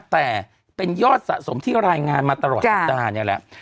แต่เป็นยอดสะสมที่รายงานมาตลอดสัปดาห์นี่แหละ